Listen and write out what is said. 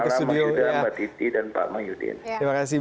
mbak titi dan pak mahyudin